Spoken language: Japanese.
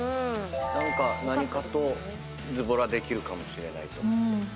何か何かとズボラできるかもしれないと。